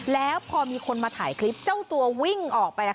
แล้วพอมีคนมาถ่ายคลิปเจ้าตัววิ่งออกไป